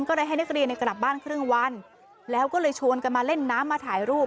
ก็เลยให้นักเรียนในกลับบ้านครึ่งวันแล้วก็เลยชวนกันมาเล่นน้ำมาถ่ายรูป